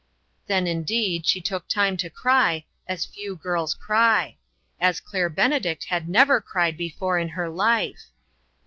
Then, indeed, she took time to cry, as few girls cry ; as Claire Benedict had never cried before in her life.